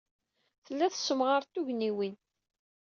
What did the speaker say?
Tellid tessemɣared tugniwin.